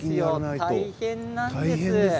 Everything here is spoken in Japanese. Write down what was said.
大変なんですよ。